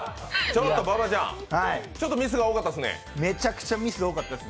馬場ちゃん、ちょっとミスが多かったですね。